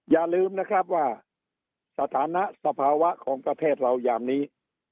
อย่าลืมนะครับว่าสถานะสภาวะของประเทศเรายามนี้